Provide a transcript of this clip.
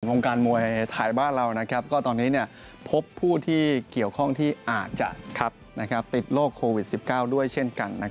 วงการมวยไทยบ้านเราก็ตอนนี้พบผู้ที่เกี่ยวข้องที่อาจจะติดโรคโควิด๑๙ด้วยเช่นกัน